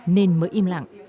nên mới im lặng